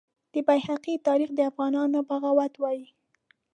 د بیهقي تاریخ د افغانانو بغاوت وایي.